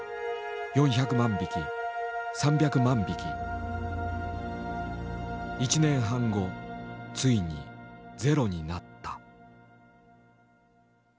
４００万匹３００万匹１年半後ついにゼロになった。